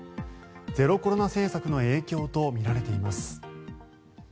ゼロコロナ政策の影響とみられています。